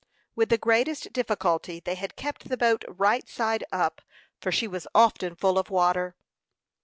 With the greatest difficulty they had kept the boat right side up, for she was often full of water.